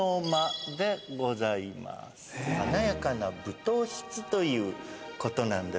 華やかな舞踏室ということなんですね。